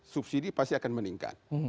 subsidi pasti akan meningkat